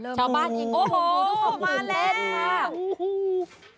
โอ้โหบ้านเล็ก